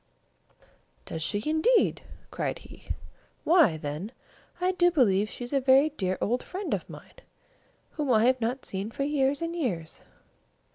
"Does she indeed?" cried he. "Why, then, I do believe she is a very dear old friend of mine, whom I have not seen for years and years.